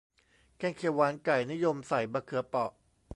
แกงเขียวหวานไก่ นิยมใส่มะเขือเปาะ